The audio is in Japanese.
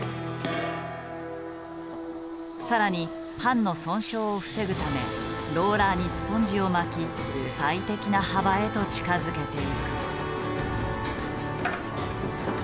更にパンの損傷を防ぐためローラーにスポンジを巻き最適な幅へと近づけていく。